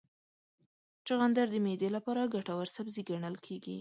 چغندر د معدې لپاره ګټور سبزی ګڼل کېږي.